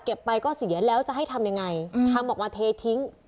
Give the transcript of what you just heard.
ไปก็เสียแล้วจะให้ทำยังไงทำออกมาเททิ้ง